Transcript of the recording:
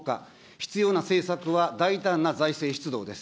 必要な政策は大胆な財政出動です。